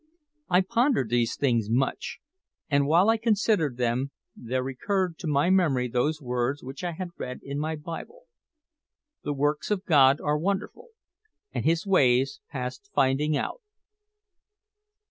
I pondered these things much, and while I considered them there recurred to my memory those words which I had read in my Bible: "The works of God are wonderful, and His ways past finding out."